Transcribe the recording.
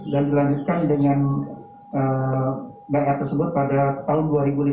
dan dilanjutkan dengan buy up tersebut pada tahun dua ribu lima belas